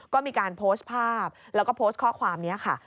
ก็มีการโพสต์ภาพแล้วก็โพสต์ข้อความนี้ค่ะ